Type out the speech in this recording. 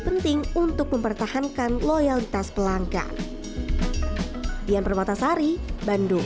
penting untuk mempertahankan loyalitas pelanggan dian permatasari bandung